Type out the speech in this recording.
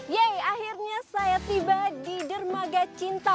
yeay akhirnya saya tiba di dermaga cinta